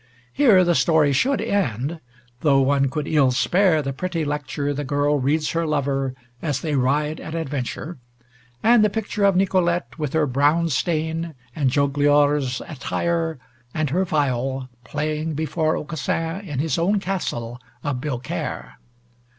Here the story should end, though one could ill spare the pretty lecture the girl reads her lover as they ride at adventure, and the picture of Nicolete, with her brown stain, and jogleor's attire, and her viol, playing before Aucassin in his own castle of Biaucaire.